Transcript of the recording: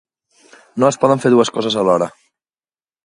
No es poden fer dues coses alhora.